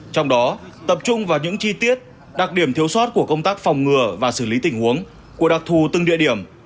trong đó tập trung vào những chi tiết đặc điểm thiếu sót của công tác phòng ngừa và xử lý tình huống của đặc thù từng địa điểm